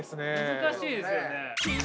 難しいですよね。